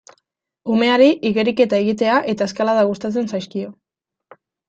Umeari igeriketa egitea eta eskalada gustatzen zaizkio.